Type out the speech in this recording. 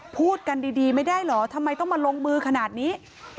พูดกันดีไม่ได้เหรอทำไมต้องมาลงมือขนาดนี้